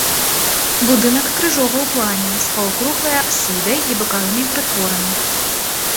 Будынак крыжовы ў плане, з паўкруглай апсідай і бакавымі прытворамі.